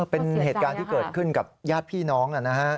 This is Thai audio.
เป็นเหตุการณ์ที่เกิดขึ้นกับญาติพี่น้อง